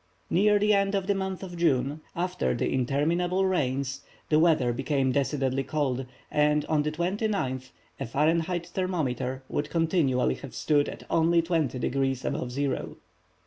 Near the end of the month of June, after the interminable rains, the weather became decidedly cold, and on the 29th, a Fahrenheit thermometer would certainly have stood at only 20° above zero.